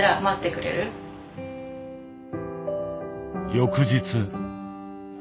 翌日。